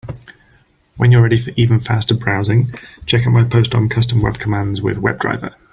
When you are ready for even faster browsing, check out my post on Custom web commands with WebDriver.